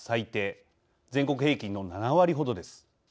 全国平均の７割ほどです。